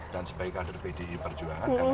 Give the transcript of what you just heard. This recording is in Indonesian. dan sebagai kader bdi perjuangan